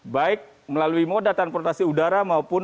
baik melalui moda transportasi udara maupun